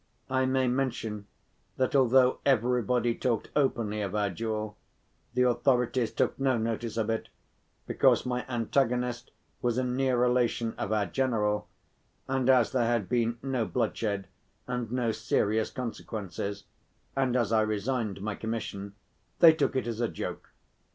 I may mention that although everybody talked openly of our duel, the authorities took no notice of it, because my antagonist was a near relation of our general, and as there had been no bloodshed and no serious consequences, and as I resigned my commission, they took it as a joke.